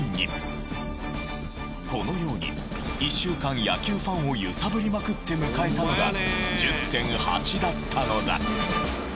このように１週間野球ファンを揺さぶりまくって迎えたのが１０．８だったのだ。